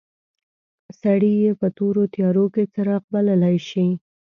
سړی یې په تورو تیارو کې څراغ بللای شي.